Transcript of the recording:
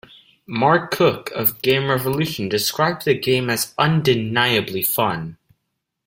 Mark Cooke of Game Revolution described the game as "undeniably fun".